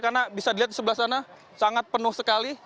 karena bisa dilihat di sebelah sana sangat penuh sekali